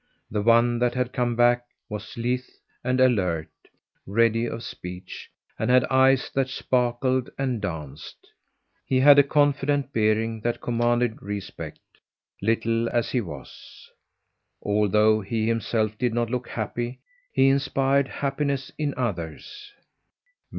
The one that had come back was lithe and alert, ready of speech, and had eyes that sparkled and danced. He had a confident bearing that commanded respect, little as he was. Although he himself did not look happy, he inspired happiness in others.